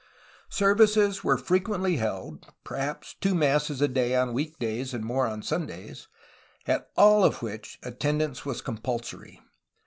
Services were frequently held, — per haps two masses a day on week days and more on Sundays, at all of which attendance was compulsory.